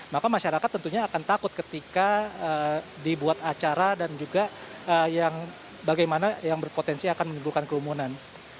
maka masyarakat tentunya akan takut ketika dibuat acara dan juga bagaimana yang berpotensi akan menimbulkan kerumunan